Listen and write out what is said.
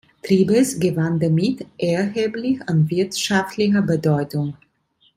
Triebes gewann damit erheblich an wirtschaftlicher Bedeutung.